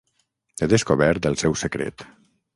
He descobert el seu secret.